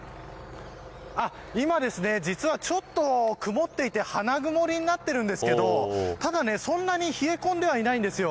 今、実は、ちょっと曇っていて花曇りになってるんですけどただ、そんなに冷え込んではいないんですよ。